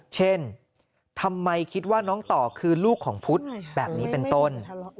เช่นทำไมคิดว่าน้องต่อคือลูกของพุทธแบบนี้เป็นต้น